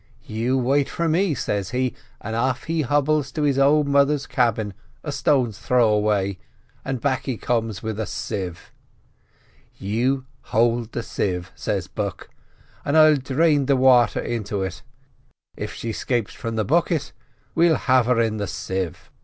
'You wait for me,' says he; and off he hobbles to his old mother's cabin a stone's throw away, and back he comes with a sieve. "'You hold the sieve,' says Buck, 'and I'll drain the water into it; if she 'scapes from the bucket we'll have her in the sieve.